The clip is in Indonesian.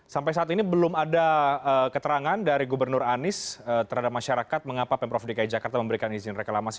sampai saat ini belum ada keterangan dari gubernur anies terhadap masyarakat mengapa pemprov dki jakarta memberikan izin reklamasi